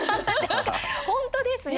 本当ですね。